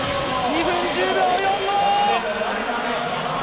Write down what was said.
２分１０秒４５！